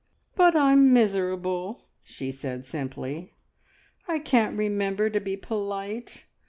"But I'm miserable," she said simply. "I can't remember to be polite.